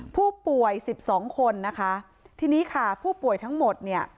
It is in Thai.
ผู้ป่วยสิบสองคนนะคะทีนี้ค่ะผู้ป่วยทั้งหมดเนี่ย